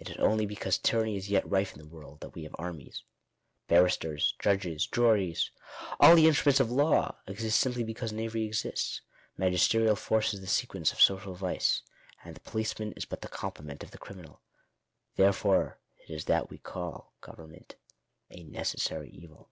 It is only because tyranny is yet life in the world that we have armies. Barristers, judges, juries — all the instruments of law — exist, simply because knavery exists. Magisterial force is the sequence of social vice ; and the police man is but the complement of the criminal. Therefore it is that we call government " a necessary evil."